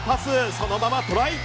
そのままトライ。